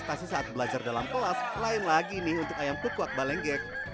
bukan prestasi saat belajar dalam kelas lain lagi nih untuk ayam kukuak balengek